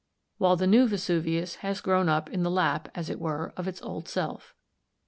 37), while the new Vesuvius has grown up in the lap, as it were, of its old self.